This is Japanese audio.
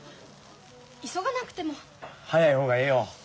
早い方がええよ。